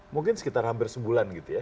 mungkin sekitar hampir sebulan